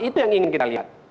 itu yang ingin kita lihat